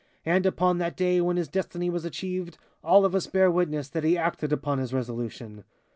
And upon that day when his destiny was achieved, all of us bear witness that he acted upon his resolution.